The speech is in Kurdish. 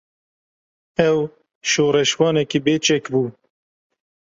Ew, şoreşvanekî bê çek bû